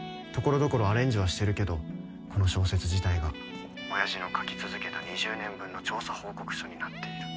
所々アレンジはしてるけどこの小説自体が親父の書き続けた２０年分の調査報告書になっている。